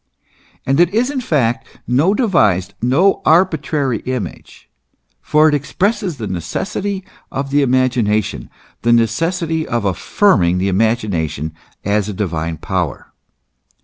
And it is in fact no devised, no arbitrary image ; for it expresses the necessity of the imagination, the necessity of affirming the imagination as a divine power.